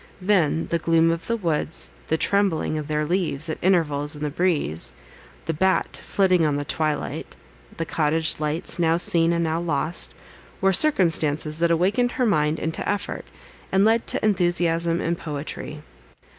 Then, the gloom of the woods; the trembling of their leaves, at intervals, in the breeze; the bat, flitting on the twilight; the cottage lights, now seen, and now lost—were circumstances that awakened her mind into effort, and led to enthusiasm and poetry.